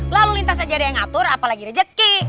lalu lintas aja ada yang ngatur apalagi rezeki